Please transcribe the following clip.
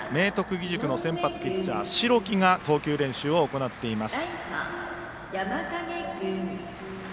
義塾の先発ピッチャー代木が投球練習を行っています。